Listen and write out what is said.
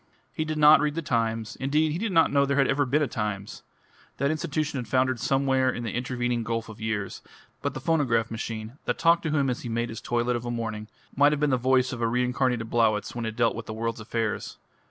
He did not read the Times: indeed, he did not know there ever had been a Times that institution had foundered somewhere in the intervening gulf of years; but the phonograph machine, that talked to him as he made his toilet of a morning, might have been the voice of a reincarnated Blowitz when it dealt with the world's affairs.